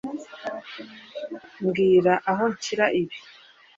Mbwira aho nshyira ibi